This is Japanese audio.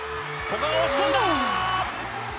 ここは押し込んだ！